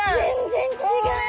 全然違う。